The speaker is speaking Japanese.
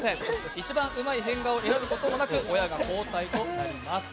一番うまい変顔を選ぶことなく親が交代となります。